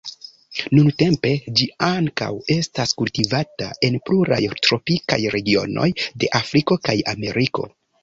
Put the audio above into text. Nuntempe ĝi ankaŭ estas kultivata en pluraj tropikaj regionoj de Afriko kaj Ameriko.